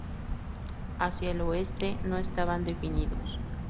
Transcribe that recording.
Hacia el oeste, no estaban definidos.